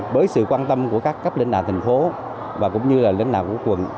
bởi sự quan tâm của các các lãnh đạo thành phố và cũng như là lãnh đạo của quận